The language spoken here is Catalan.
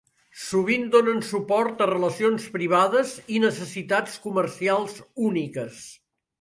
Sovint donen suport a relacions privades i necessitats comercials úniques.